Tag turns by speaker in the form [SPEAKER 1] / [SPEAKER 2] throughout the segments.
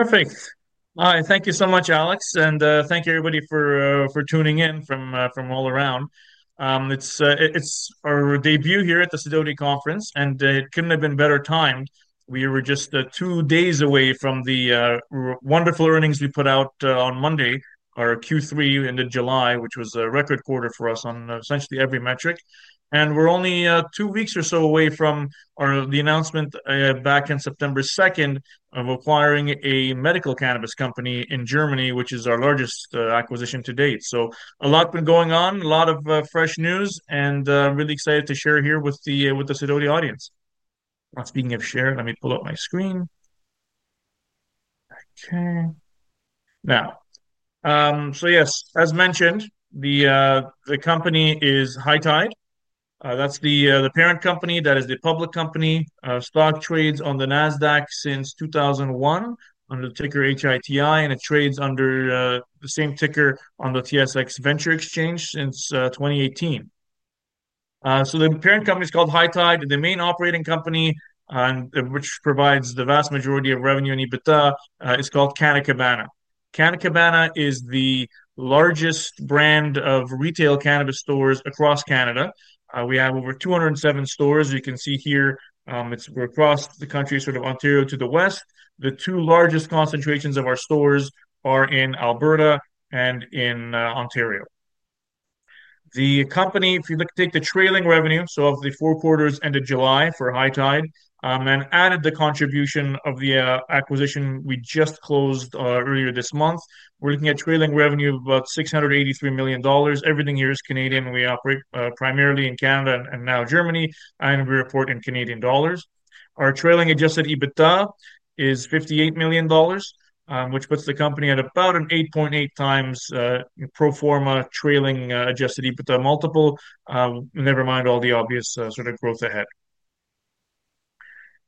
[SPEAKER 1] Perfect. Hi, thank you so much, Alex. And thank you, everybody, for tuning in from all around. It's our debut here at the Stability Conference, and it couldn't have been a better time. We were just two days away from the wonderful earnings we put out on Monday, our Q3 in July, which was a record quarter for us on essentially every metric. We're only two weeks or so away from the announcement back on September 2 of acquiring a medical cannabis company in Germany, which is our largest acquisition to date. A lot's been going on, a lot of fresh news, and I'm really excited to share here with the Stability audience. Speaking of share, let me pull up my screen. OK. Yes, as mentioned, the company is High Tide. That's the parent company. That is the public company. Stock trades on the NASDAQ since 2021 under the ticker HITI, and it trades under the same ticker on the TSX Venture Exchange since 2018. The parent company is called High Tide. The main operating company, which provides the vast majority of revenue and EBITDA, is called Canna Cabana. Canna Cabana is the largest brand of retail cannabis stores across Canada. We have over 207 stores, you can see here. We're across the country, sort of Ontario to the west. The two largest concentrations of our stores are in Alberta and in Ontario. The company, if you look, take the trailing revenue, so of the four quarters end of July for High Tide, and added the contribution of the acquisition we just closed earlier this month, we're looking at trailing revenue of about $683 million. Everything here is Canadian. We operate primarily in Canada and now Germany, and we report in Canadian dollars. Our trailing adjusted EBITDA is $58 million, which puts the company at about an 8.8 times pro forma trailing adjusted EBITDA multiple, never mind all the obvious sort of growth ahead.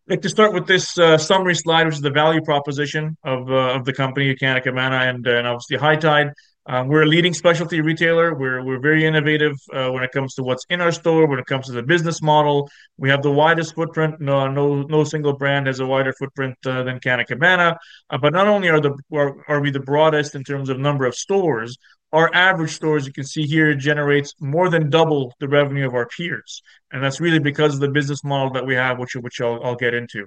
[SPEAKER 1] I'd like to start with this summary slide, which is the value proposition of the company, Canna Cabana and obviously High Tide. We're a leading specialty retailer. We're very innovative when it comes to what's in our store, when it comes to the business model. We have the widest footprint. No single brand has a wider footprint than Canna Cabana. Not only are we the broadest in terms of number of stores, our average stores, you can see here, generate more than double the revenue of our peers. That's really because of the business model that we have, which I'll get into.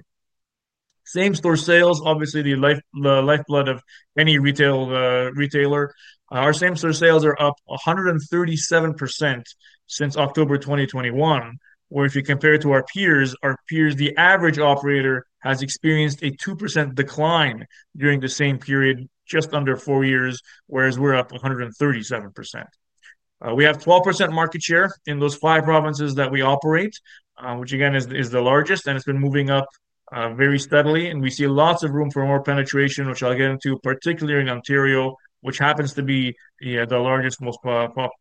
[SPEAKER 1] Same-store sales, obviously the lifeblood of any retailer. Our same-store sales are up 137% since October 2021, where if you compare it to our peers, our peers, the average operator has experienced a 2% decline during the same period, just under four years, whereas we're up 137%. We have 12% market share in those five provinces that we operate, which again is the largest, and it's been moving up very steadily. We see lots of room for more penetration, which I'll get into, particularly in Ontario, which happens to be the largest, most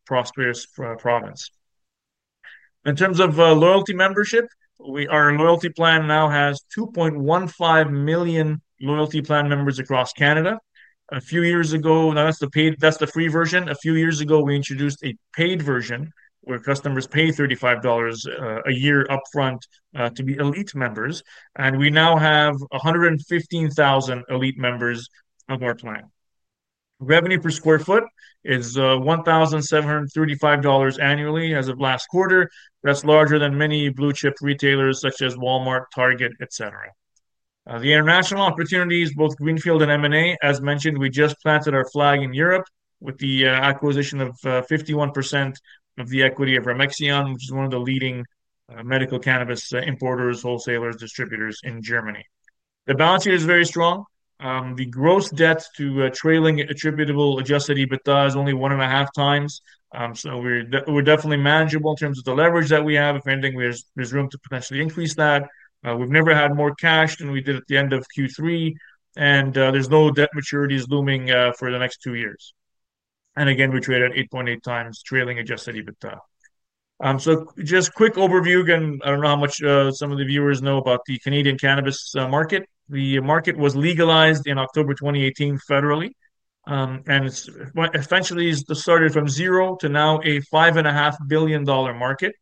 [SPEAKER 1] prosperous province. In terms of loyalty membership, our loyalty plan now has 2.15 million loyalty plan members across Canada. That's the free version. A few years ago, we introduced a paid version where customers pay $35 a year upfront to be ELITE members. We now have 115,000 ELITE members of our plan. Revenue per square foot is $1,735 annually as of last quarter. That's larger than many blue-chip retailers such as Walmart, Target, et cetera. The international opportunities, both Greenfield and M&A, as mentioned, we just planted our flag in Europe with the acquisition of 51% of the equity of Ramexian Pharma, which is one of the leading medical cannabis importers, wholesalers, distributors in Germany. The balance sheet is very strong. The gross debt to trailing attributable adjusted EBITDA is only 1.5 times. We're definitely manageable in terms of the leverage that we have. If anything, there's room to potentially increase that. We've never had more cash than we did at the end of Q3. There's no debt maturities looming for the next two years. We're trading at 8.8 times trailing adjusted EBITDA. Just a quick overview again. I don't know how much some of the viewers know about the Canadian cannabis market. The market was legalized in October 2018 federally. It's essentially started from zero to now a $5.5 billion market.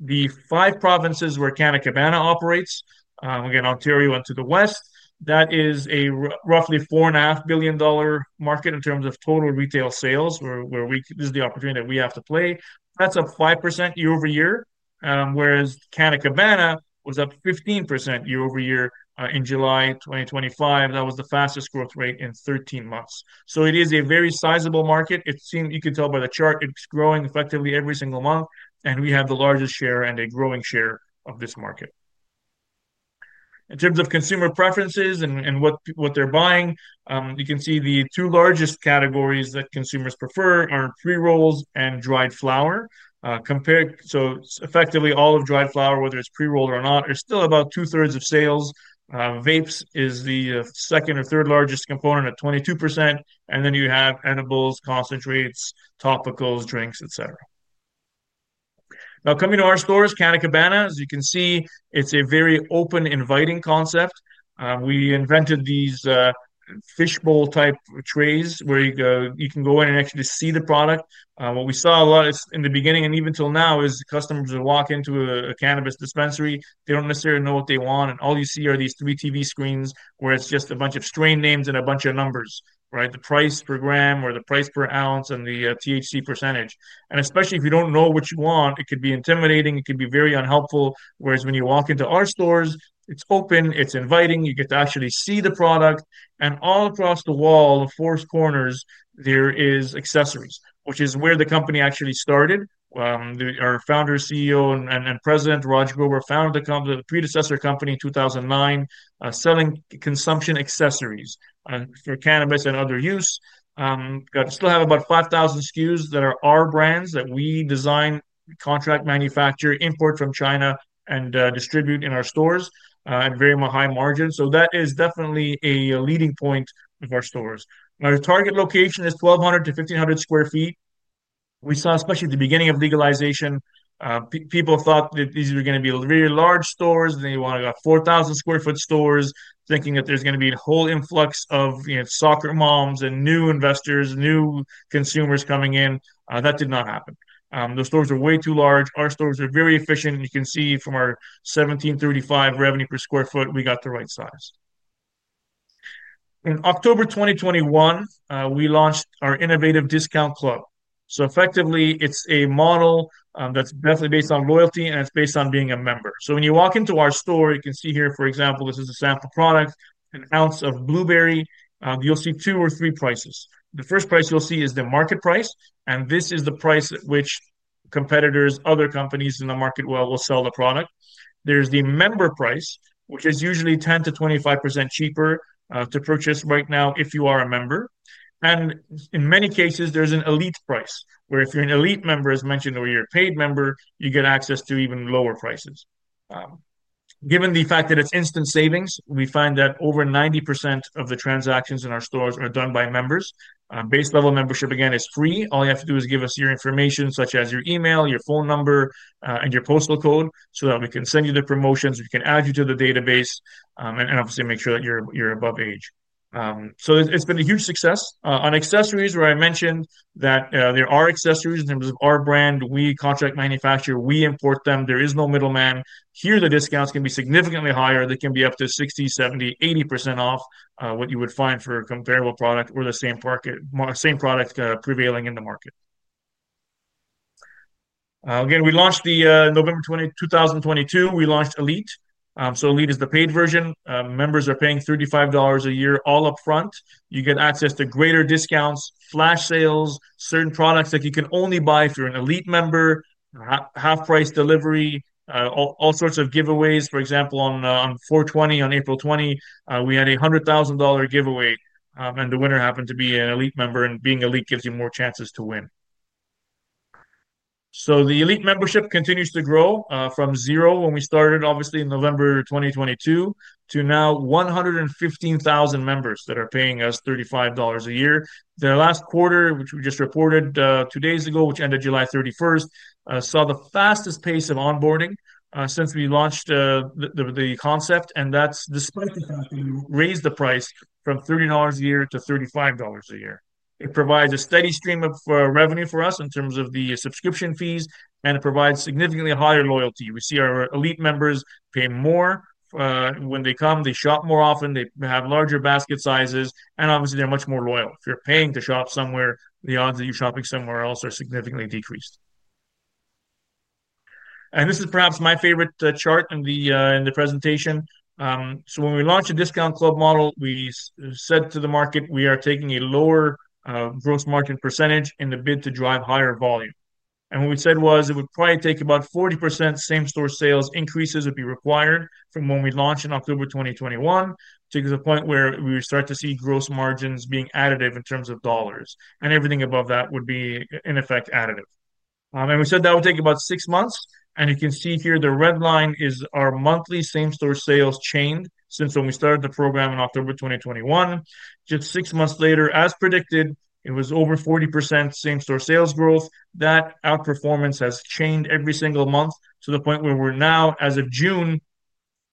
[SPEAKER 1] The five provinces where Canna Cabana operates, again Ontario and to the west, that is a roughly $4.5 billion market in terms of total retail sales, where this is the opportunity that we have to play. That's up 5% year over year, whereas Canna Cabana was up 15% year over year in July 2025. That was the fastest growth rate in 13 months. It is a very sizable market. You can tell by the chart it's growing effectively every single month. We have the largest share and a growing share of this market. In terms of consumer preferences and what they're buying, you can see the two largest categories that consumers prefer are pre-rolls and dried flower. Effectively, all of dried flower, whether it's pre-rolled or not, is still about 2/3 of sales. Vapes is the second or third largest component at 22%. Then you have edibles, concentrates, topicals, drinks, et cetera. Now coming to our stores, Canna Cabana, as you can see, it's a very open, inviting concept. We invented these fishbowl-type trays where you can go in and actually see the product. What we saw a lot in the beginning and even till now is customers will walk into a cannabis dispensary. They don't necessarily know what they want. All you see are these three TV screens where it's just a bunch of strange names and a bunch of numbers, right? The price per gram or the price per ounce and the THC percentage. Especially if you don't know what you want, it could be intimidating. It could be very unhelpful. When you walk into our stores, it's open. It's inviting. You get to actually see the product. All across the wall, the four corners, there are accessories, which is where the company actually started. Our Founder, CEO, and President, Raj Grover, founded the predecessor company in 2009, selling consumption accessories for cannabis and other use. We still have about 5,000 SKUs that are our brands that we design, contract, manufacture, import from China, and distribute in our stores at very high margins. That is definitely a leading point of our stores. Our target location is 1,200 to 1,500 square feet. We saw, especially at the beginning of legalization, people thought that these were going to be really large stores. They wanted about 4,000 square foot stores, thinking that there's going to be a whole influx of soccer moms and new investors, new consumers coming in. That did not happen. Those stores are way too large. Our stores are very efficient. You can see from our $1,735 revenue per square foot, we got the right size. In October 2021, we launched our innovative discount club. Effectively, it's a model that's definitely based on loyalty, and it's based on being a member. When you walk into our store, you can see here, for example, this is a sample product, an ounce of blueberry. You'll see two or three prices. The first price you'll see is the market price. This is the price at which competitors, other companies in the market, will sell the product. There's the member price, which is usually 10% to 25% cheaper to purchase right now if you are a member. In many cases, there's an ELITE price, where if you're an ELITE member, as mentioned, or you're a paid member, you get access to even lower prices. Given the fact that it's instant savings, we find that over 90% of the transactions in our stores are done by members. Base-level membership, again, is free. All you have to do is give us your information, such as your email, your phone number, and your postal code, so that we can send you the promotions, we can add you to the database, and obviously make sure that you're above age. It's been a huge success. On accessories, where I mentioned that there are accessories in terms of our brand, we contract, manufacture, we import them. There is no middleman. Here, the discounts can be significantly higher. They can be up to 60%, 70%, 80% off what you would find for a comparable product or the same product prevailing in the market. We launched in November 2022, we launched ELITE. ELITE is the paid version. Members are paying $35 a year all upfront. You get access to greater discounts, flash sales, certain products that you can only buy if you're an ELITE member, half-price delivery, all sorts of giveaways. For example, on April 20, we had a $100,000 giveaway. The winner happened to be an ELITE member. Being ELITE gives you more chances to win. The ELITE membership continues to grow from zero when we started, obviously, in November 2022 to now 115,000 members that are paying us $35 a year. The last quarter, which we just reported two days ago, which ended July 31, saw the fastest pace of onboarding since we launched the concept. That's despite the fact that we raised the price from $30 a year to $35 a year. It provides a steady stream of revenue for us in terms of the subscription fees. It provides significantly higher loyalty. We see our ELITE members pay more when they come. They shop more often. They have larger basket sizes. They're much more loyal. If you're paying to shop somewhere, the odds that you're shopping somewhere else are significantly decreased. This is perhaps my favorite chart in the presentation. When we launched the discount club model, we said to the market, we are taking a lower gross margin percentage in the bid to drive higher volume. What we said was it would probably take about 40% same-store sales increases if you required from when we launched in October 2021 to the point where we start to see gross margins being additive in terms of dollars. Everything above that would be, in effect, additive. We said that would take about six months. You can see here the red line is our monthly same-store sales change since we started the program in October 2021. Just six months later, as predicted, it was over 40% same-store sales growth. That outperformance has continued every single month to the point where we're now, as of June,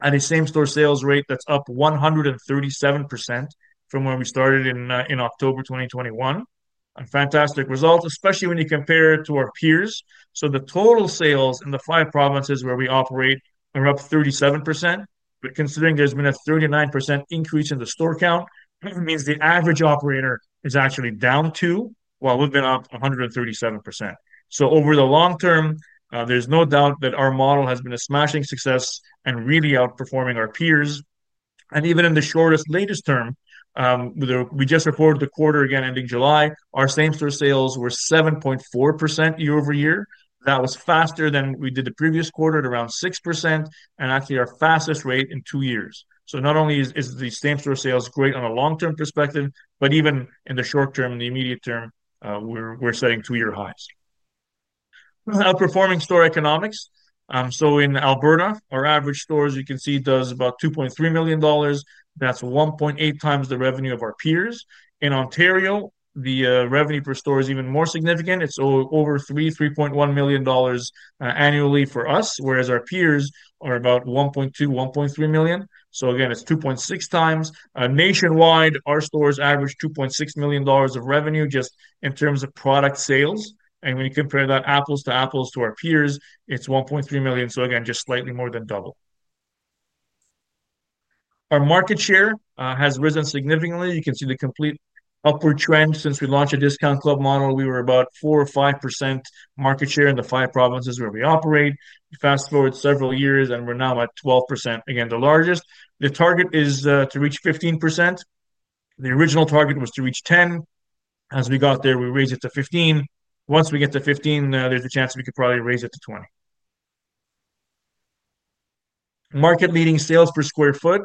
[SPEAKER 1] at a same-store sales rate that's up 137% from where we started in October 2021. A fantastic result, especially when you compare it to our peers. The total sales in the five provinces where we operate are up 37%. Considering there's been a 39% increase in the store count, that means the average operator is actually down 2%, while we've been up 137%. Over the long term, there's no doubt that our model has been a smashing success and really outperforming our peers. Even in the shortest, latest term, we just reported the quarter again ending July. Our same-store sales were 7.4% year over year. That was faster than we did the previous quarter at around 6% and actually our fastest rate in two years. Not only is the same-store sales great on a long-term perspective, but even in the short term, the immediate term, we're setting two-year highs. Outperforming store economics. In Alberta, our average store, as you can see, does about $2.3 million. That's 1.8 times the revenue of our peers. In Ontario, the revenue per store is even more significant. It's over $3.1 million annually for us, whereas our peers are about $1.2 million, $1.3 million. Again, it's 2.6 times. Nationwide, our stores average $2.6 million of revenue just in terms of product sales. When you compare that apples to apples to our peers, it's $1.3 million. Again, just slightly more than double. Our market share has risen significantly. You can see the complete upward trend since we launched the discount club model. We were about 4% or 5% market share in the five provinces where we operate. Fast forward several years, and we're now at 12%, again, the largest. The target is to reach 15%. The original target was to reach 10%. As we got there, we raised it to 15%. Once we get to 15%, there's a chance we could probably raise it to 20%. Market-leading sales per square foot.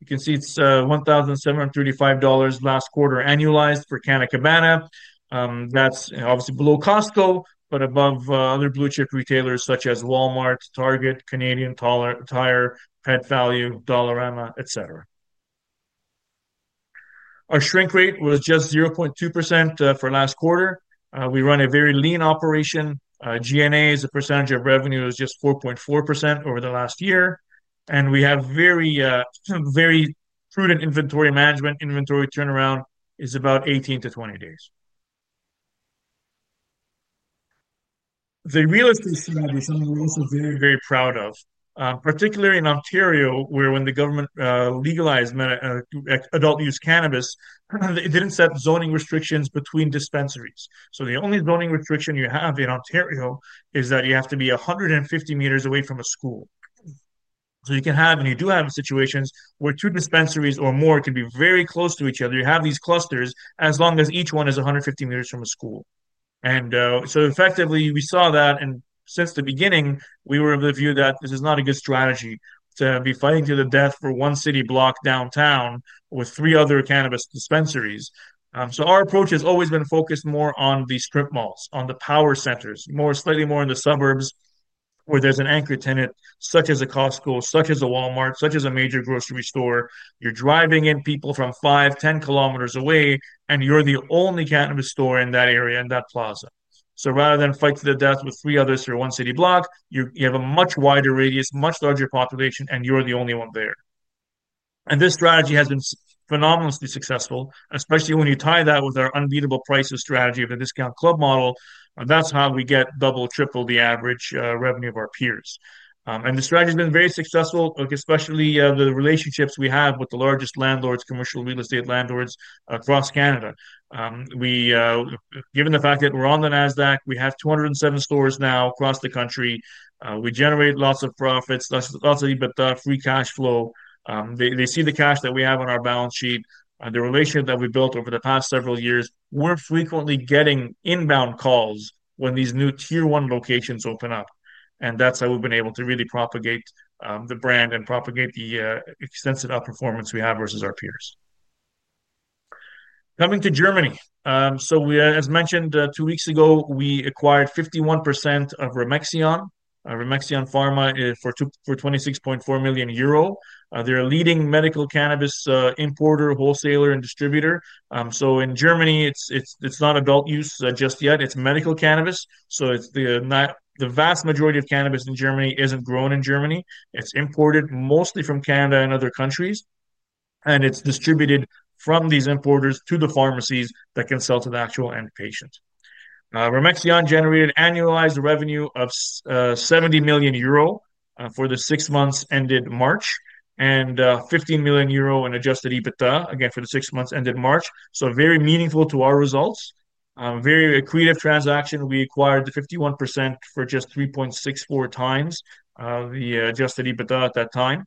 [SPEAKER 1] You can see it's $1,735 last quarter annualized for Canna Cabana. That's obviously below Costco, but above other blue-chip retailers such as Walmart, Target, Canadian Tire, Pet Value, Dollarama, etc. Our shrink rate was just 0.2% for last quarter. We run a very lean operation. G&A as a percentage of revenue was just 4.4% over the last year. We have very, very prudent inventory management. Inventory turnaround is about 18 to 20 days. The real estate scenario is something we're also very, very proud of, particularly in Ontario, where when the government legalized adult-use cannabis, they didn't set zoning restrictions between dispensaries. The only zoning restriction you have in Ontario is that you have to be 150 meters away from a school. You can have, and you do have, situations where two dispensaries or more could be very close to each other. You have these clusters as long as each one is 150 meters from a school. We saw that. Since the beginning, we were able to view that this is not a good strategy to be fighting to the death for one city block downtown with three other cannabis dispensaries. Our approach has always been focused more on the strip malls, on the power centers, slightly more in the suburbs where there's an anchor tenant, such as a Costco, such as a Walmart, such as a major grocery store. You're driving in people from 5, 10 kilometers away, and you're the only cannabis store in that area, in that plaza. Rather than fight to the death with three others for one city block, you have a much wider radius, much larger population, and you're the only one there. This strategy has been phenomenally successful, especially when you tie that with our unbeatable prices strategy of the discount club model. That's how we get double, triple the average revenue of our peers. The strategy has been very successful, especially the relationships we have with the largest landlords, commercial real estate landlords across Canada. Given the fact that we're on the NASDAQ, we have 207 stores now across the country. We generate lots of profits, lots of EBITDA, free cash flow. They see the cash that we have on our balance sheet, the relationship that we've built over the past several years. We're frequently getting inbound calls when these new tier one locations open up. That's how we've been able to really propagate the brand and propagate the extensive outperformance we have versus our peers. Coming to Germany, as mentioned two weeks ago, we acquired 51% of Ramexian. Ramexian Pharma is for €26.4 million. They're a leading medical cannabis importer, wholesaler, and distributor. In Germany, it's not adult use just yet. It's medical cannabis. The vast majority of cannabis in Germany isn't grown in Germany. It's imported mostly from Canada and other countries, and it's distributed from these importers to the pharmacies that can sell to the actual end patient. Ramexian generated annualized revenue of €70 million for the six months ended March and €15 million in adjusted EBITDA, again, for the six months ended March. Very meaningful to our results. A very accretive transaction. We acquired the 51% for just 3.64 times the adjusted EBITDA at that time.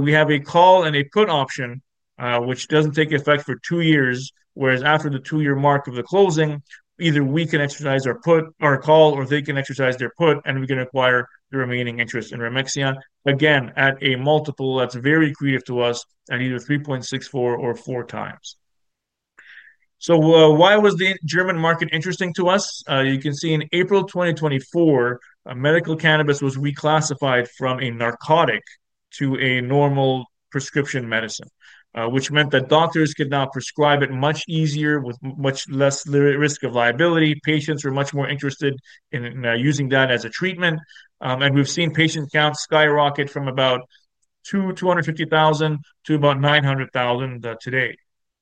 [SPEAKER 1] We have a call and a put option, which doesn't take effect for two years. After the two-year mark of the closing, either we can exercise our put or call, or they can exercise their put, and we can acquire the remaining interest in Ramexian, again, at a multiple that's very accretive to us at either 3.64 or 4 times. Why was the German market interesting to us? In April 2024, medical cannabis was reclassified from a narcotic to a normal prescription medicine, which meant that doctors could now prescribe it much easier with much less risk of liability. Patients were much more interested in using that as a treatment, and we've seen patient counts skyrocket from about 250,000 to about 900,000 today.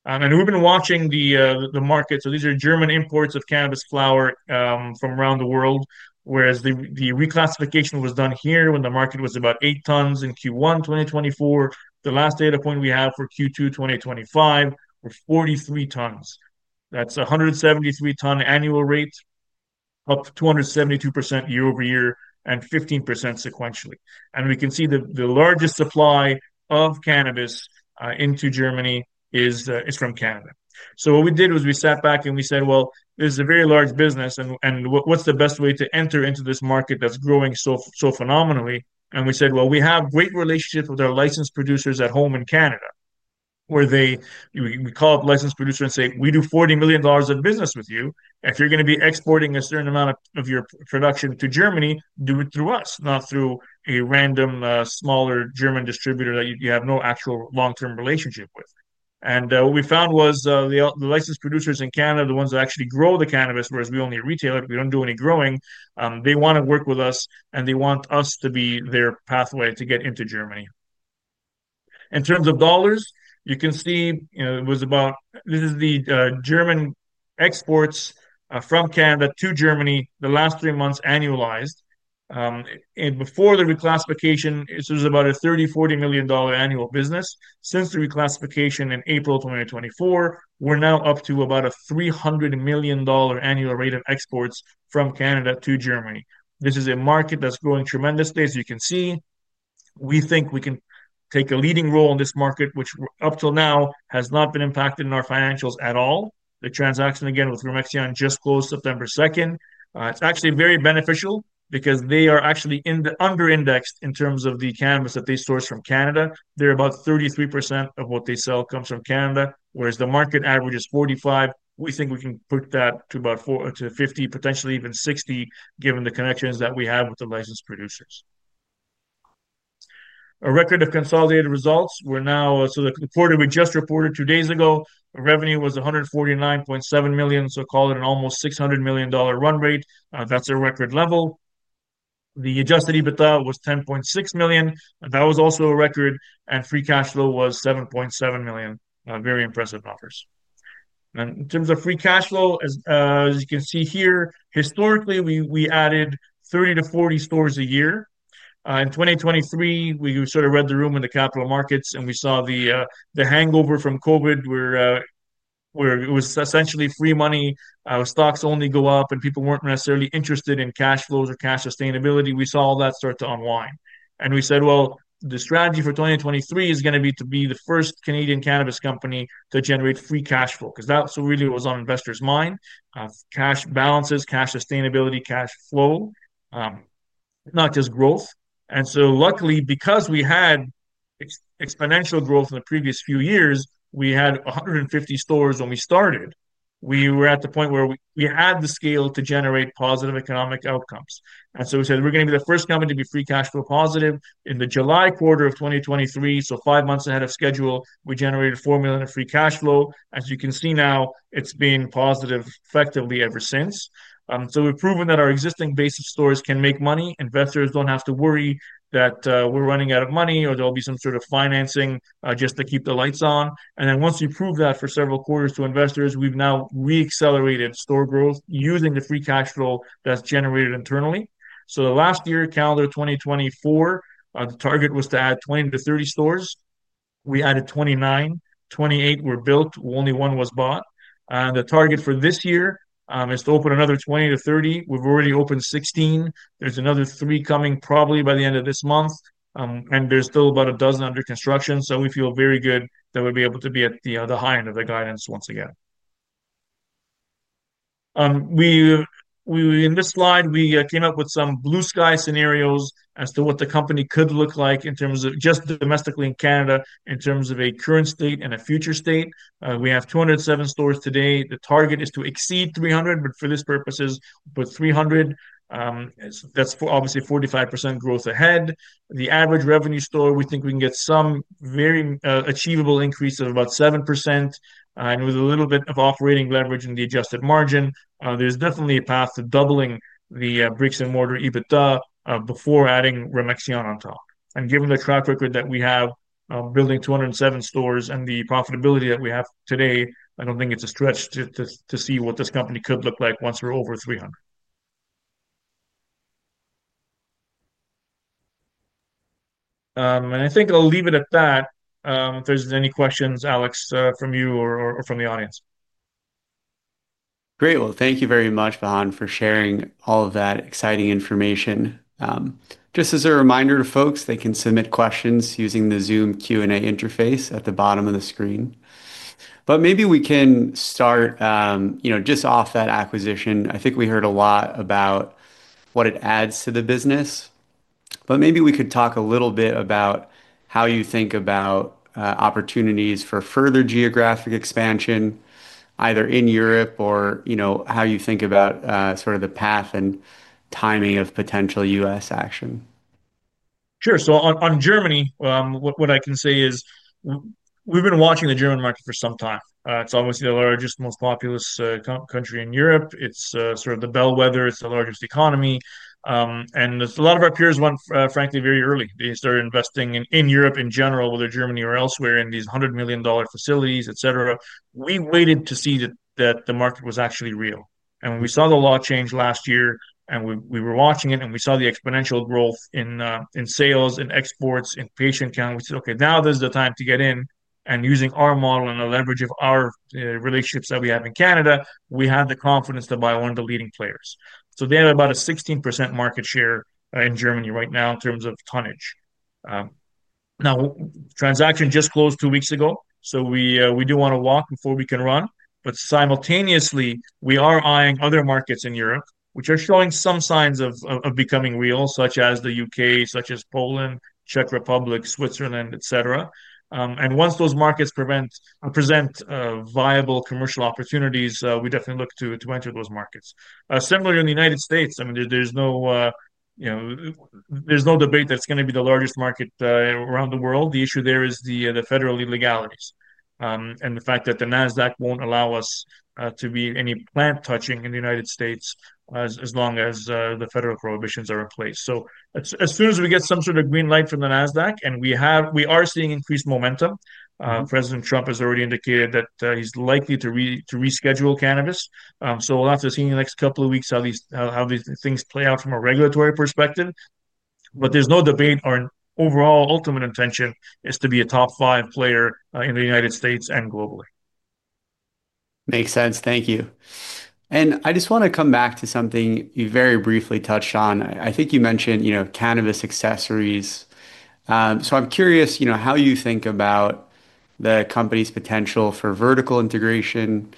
[SPEAKER 1] We've been watching the market. These are German imports of cannabis flower from around the world. The reclassification was done here when the market was about 8 tons in Q1 2024. The last data point we have for Q2 2025 was 43 tons. That's a 173-ton annual rate, up to 272% year over year and 15% sequentially. The largest supply of cannabis into Germany is from Canada. We sat back and said, this is a very large business. What's the best way to enter into this market that's growing so phenomenally? We have great relationships with our licensed producers at home in Canada, where we call up licensed producers and say, we do $40 million of business with you. If you're going to be exporting a certain amount of your production to Germany, do it through us, not through a random smaller German distributor that you have no actual long-term relationship with. What we found was the licensed producers in Canada, the ones that actually grow the cannabis, whereas we only retail it, we don't do any growing, they want to work with us, and they want us to be their pathway to get into Germany. In terms of dollars, you can see it was about, this is the German exports from Canada to Germany, the last three months annualized. Before the reclassification, this was about a $30 million, $40 million annual business. Since the reclassification in April 2024, we're now up to about a $300 million annual rate of exports from Canada to Germany. This is a market that's growing tremendously. As you can see, we think we can take a leading role in this market, which up till now has not been impacted in our financials at all. The transaction, again, with Ramexian Pharma just closed September 2. It's actually very beneficial because they are actually under-indexed in terms of the cannabis that they source from Canada. They're about 33% of what they sell comes from Canada, whereas the market average is 45%. We think we can put that to about 40% to 50%, potentially even 60%, given the connections that we have with the licensed producers. A record of consolidated results. We're now, so the quarter we just reported two days ago, revenue was $149.7 million. Call it an almost $600 million run rate. That's a record level. The adjusted EBITDA was $10.6 million. That was also a record. Free cash flow was $7.7 million. Very impressive numbers. In terms of free cash flow, as you can see here, historically, we added 30 to 40 stores a year. In 2023, we sort of read the room in the capital markets, and we saw the hangover from COVID, where it was essentially free money. Stocks only go up, and people weren't necessarily interested in cash flows or cash sustainability. We saw all that start to unwind. The strategy for 2023 is going to be to be the first Canadian cannabis company to generate free cash flow because that really was on investors' minds. Cash balances, cash sustainability, cash flow, not just growth. Luckily, because we had exponential growth in the previous few years, we had 150 stores when we started. We were at the point where we had the scale to generate positive economic outcomes. We said we're going to be the first company to be free cash flow positive in the July quarter of 2023. Five months ahead of schedule, we generated $4 million of free cash flow. As you can see now, it's been positive effectively ever since. We've proven that our existing basic stores can make money. Investors don't have to worry that we're running out of money or there'll be some sort of financing just to keep the lights on. Once we proved that for several quarters to investors, we've now reaccelerated store growth using the free cash flow that's generated internally. The last year, calendar 2024, the target was to add 20 to 30 stores. We added 29. 28 were built. Only one was bought. The target for this year is to open another 20 to 30. We've already opened 16. There's another three coming probably by the end of this month. There's still about a dozen under construction. We feel very good that we'll be able to be at the high end of the guidance once again. In this slide, we came up with some blue sky scenarios as to what the company could look like in terms of just domestically in Canada, in terms of a current state and a future state. We have 207 stores today. The target is to exceed 300, but for this purpose, we put 300. That's obviously 45% growth ahead. The average revenue per store, we think we can get some very achievable increase of about 7%. With a little bit of operating leverage in the adjusted margin, there's definitely a path to doubling the brick-and-mortar EBITDA before adding Ramexian on top. Given the track record that we have of building 207 stores and the profitability that we have today, I don't think it's a stretch to see what this company could look like once we're over 300. I think I'll leave it at that. If there's any questions, Alex, from you or from the audience.
[SPEAKER 2] Great. Thank you very much, Bahan, for sharing all of that exciting information. Just as a reminder to folks, they can submit questions using the Zoom Q&A interface at the bottom of the screen. Maybe we can start just off that acquisition. I think we heard a lot about what it adds to the business. Maybe we could talk a little bit about how you think about opportunities for further geographic expansion, either in Europe or how you think about the path and timing of potential U.S. action.
[SPEAKER 1] Sure. On Germany, what I can say is we've been watching the German market for some time. It's almost the largest, most populous country in Europe. It's sort of the bellwether. It's the largest economy. A lot of our peers went, frankly, very early. They started investing in Europe in general, whether Germany or elsewhere, in these $100 million facilities, etc. We waited to see that the market was actually real. We saw the law change last year, and we were watching it, and we saw the exponential growth in sales and exports and patient count. We said, OK, now this is the time to get in. Using our model and the leverage of our relationships that we have in Canada, we have the confidence to buy one of the leading players. They have about a 16% market share in Germany right now in terms of tonnage. The transaction just closed two weeks ago. We do want to walk before we can run. Simultaneously, we are eyeing other markets in Europe, which are showing some signs of becoming real, such as the UK, such as Poland, Czech Republic, Switzerland, etc. Once those markets present viable commercial opportunities, we definitely look to enter those markets. Similarly, in the U.S., there's no debate that it's going to be the largest market around the world. The issue there is the federal illegalities and the fact that the NASDAQ won't allow us to be any plant touching in the U.S. as long as the federal prohibitions are in place. As soon as we get some sort of green light from the NASDAQ, and we are seeing increased momentum, President Trump has already indicated that he's likely to reschedule cannabis. We'll have to see in the next couple of weeks how these things play out from a regulatory perspective. There's no debate. Our overall ultimate intention is to be a top five player in the U.S. and globally.
[SPEAKER 2] Makes sense. Thank you. I just want to come back to something you very briefly touched on. I think you mentioned cannabis accessories. I'm curious how you think about the company's potential for vertical integration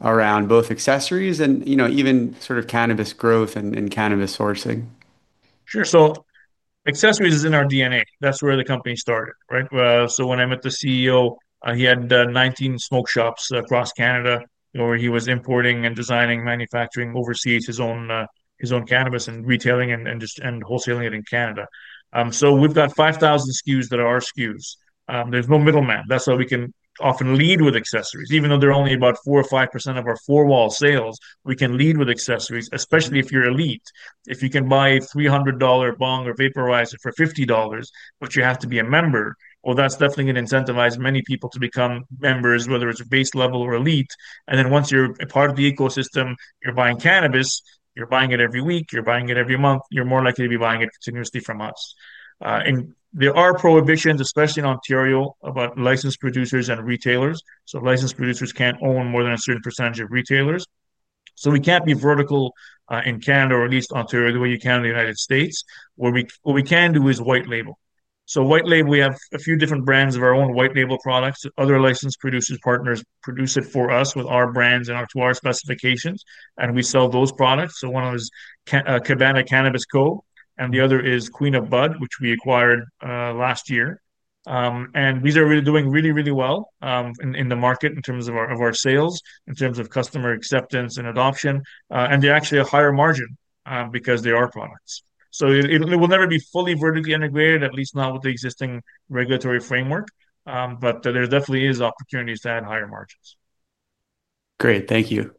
[SPEAKER 2] around both accessories and even sort of cannabis growth and cannabis sourcing.
[SPEAKER 1] Sure. Accessories is in our DNA. That's where the company started, right? When I met the CEO, he had 19 smoke shops across Canada where he was importing and designing, manufacturing overseas his own cannabis and retailing and wholesaling it in Canada. We've got 5,000 SKUs that are our SKUs. There's no middleman. That's why we can often lead with accessories. Even though they're only about 4% or 5% of our four-wall sales, we can lead with accessories, especially if you're elite. If you can buy a $300 bong or vaporizer for $50, but you have to be a member, that's definitely going to incentivize many people to become members, whether it's a base level or elite. Once you're a part of the ecosystem, you're buying cannabis, you're buying it every week, you're buying it every month, you're more likely to be buying it continuously from us. There are prohibitions, especially in Ontario, about licensed producers and retailers. Licensed producers can't own more than a certain percentage of retailers. We can't be vertical in Canada, or at least Ontario, the way you can in the U.S. What we can do is white label. White label, we have a few different brands of our own white label products. Other licensed producers, partners produce it for us with our brands and to our specifications. We sell those products. One of them is Cabana Cannabis Co. and the other is Queen O’Bud, which we acquired last year. These are really doing really, really well in the market in terms of our sales, in terms of customer acceptance and adoption. They're actually a higher margin because they are products. It will never be fully vertically integrated, at least not with the existing regulatory framework. There definitely are opportunities to add higher margins.
[SPEAKER 2] Great. Thank you.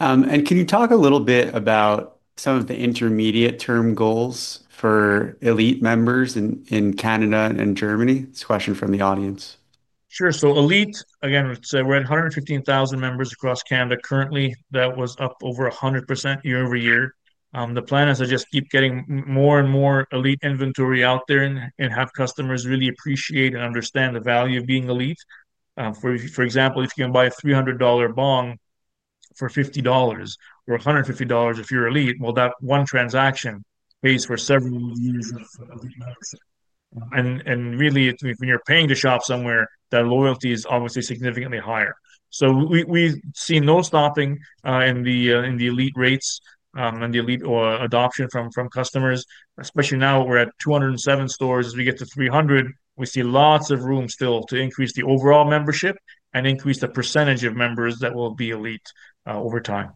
[SPEAKER 2] Can you talk a little bit about some of the intermediate-term goals for ELITE members in Canada and Germany? This question is from the audience.
[SPEAKER 1] Sure. So ELITE, again, we're at 115,000 members across Canada currently. That was up over 100% year over year. The plan is to just keep getting more and more ELITE inventory out there and have customers really appreciate and understand the value of being ELITE. For example, if you can buy a $300 bong for $50 or $150 if you're ELITE, that one transaction pays for several years of ELITE membership. When you're paying to shop somewhere, that loyalty is obviously significantly higher. We see no stopping in the ELITE rates and the ELITE adoption from customers, especially now we're at 207 stores. As we get to 300, we see lots of room still to increase the overall membership and increase the percentage of members that will be ELITE over time.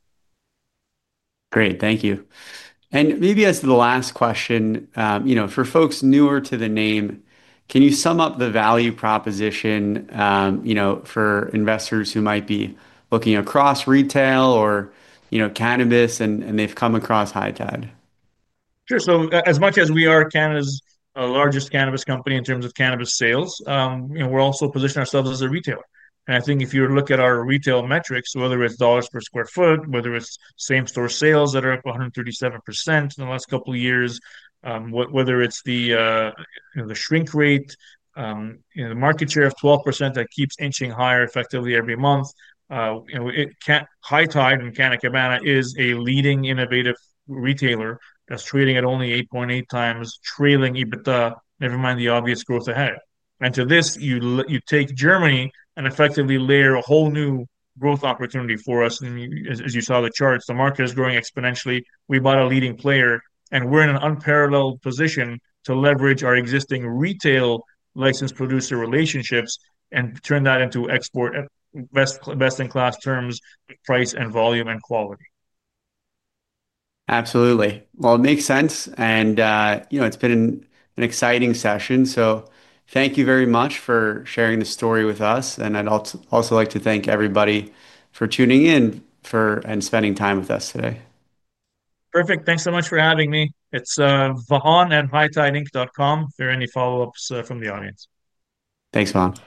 [SPEAKER 2] Great. Thank you. Maybe as the last question, for folks newer to the name, can you sum up the value proposition for investors who might be looking across retail or cannabis and they've come across High Tide?
[SPEAKER 1] Sure. As much as we are Canada's largest cannabis company in terms of cannabis sales, we're also positioning ourselves as a retailer. I think if you look at our retail metrics, whether it's dollars per square foot, whether it's same-store sales that are up 137% in the last couple of years, whether it's the shrink rate, the market share of 12% that keeps inching higher effectively every month, High Tide and Canna Cabana is a leading innovative retailer that's trading at only 8.8 times trailing EBITDA, never mind the obvious growth ahead. To this, you take Germany and effectively layer a whole new growth opportunity for us. As you saw the chart, the market is growing exponentially. We bought a leading player, and we're in an unparalleled position to leverage our existing retail licensed producer relationships and turn that into export at best-in-class terms, price, volume, and quality.
[SPEAKER 2] Absolutely. It makes sense, and you know, it's been an exciting session. Thank you very much for sharing the story with us. I'd also like to thank everybody for tuning in and spending time with us today.
[SPEAKER 1] Perfect. Thanks so much for having me. It's bahan@hightideinc.com if there are any follow-ups from the audience.
[SPEAKER 2] Thanks, Bahan.